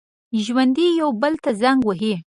ژوندي یو بل ته زنګ وهي